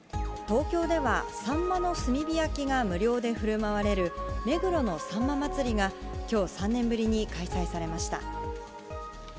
東京では、サンマの炭火焼きが無料でふるまわれる、目黒のさんま祭が、きょう３年ぶりに開催されました。